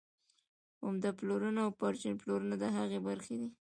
عمده پلورنه او پرچون پلورنه د هغې برخې دي